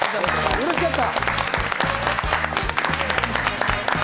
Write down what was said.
うれしかった！